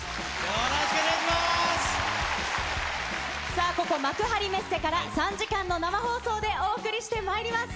さあ、ここ幕張メッセから３時間の生放送でお送りしてまいります。